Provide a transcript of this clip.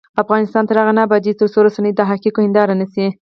افغانستان تر هغو نه ابادیږي، ترڅو رسنۍ د حقایقو هنداره نشي.